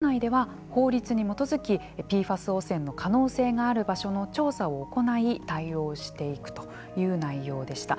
先週回答がありましてこのように、アメリカ国内では法律に基づきＰＦＡＳ汚染の可能性がある場所の調査を行い対応していくという内容でした。